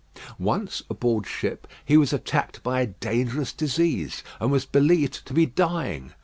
Once, aboard ship, he was attacked by a dangerous disease, and was believed to be dying.